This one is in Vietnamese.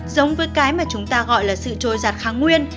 giống với cái mà chúng ta gọi là sự trôi giặt kháng nguyên